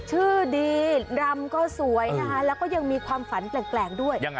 ชื่อดีรำก็สวยนะคะแล้วก็ยังมีความฝันแปลกด้วย